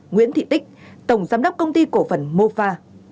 nguyễn thị tích tổng giám đốc công ty cổ phần mofa